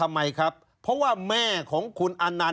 ชีวิตกระมวลวิสิทธิ์สุภาณฑ์